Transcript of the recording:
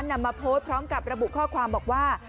นำมาโพสต์พร้อมกับระบุข้อความบอกว่า